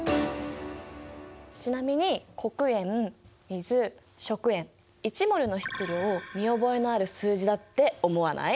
ちなみに黒鉛水食塩１ｍｏｌの質量見覚えのある数字だって思わない？